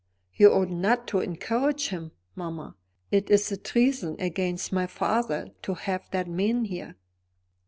You ought not to encourage him, mamma. It is a treason against my father to have that man here."